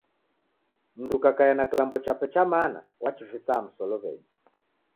Mndu ukakaia na kilambo chape cha mana wachivisa musolow'enyi.